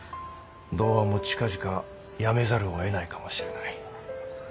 童話も近々やめざるをえないかもしれない。